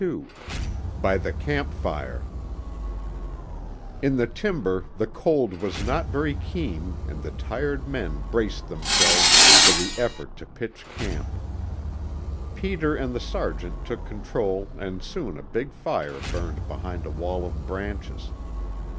XXXII BY THE CAMP FIRE In the timber the cold was not very keen and the tired men braced themselves for the effort to pitch camp. Peter and the sergeant took control and soon a big fire burned behind a wall of branches.